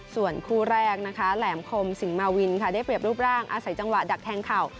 ส่วนคู่แรกนะคะแหลมคมสิงหมาวินค่ะได้เปรียบรูปร่างอาศัยจังหวะดักแทงเข่า